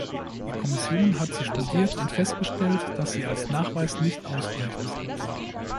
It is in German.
Die Kommission hat sie studiert und festgestellt, dass sie als Nachweis nicht ausreichen.